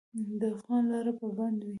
د افغان لاره به بندوي.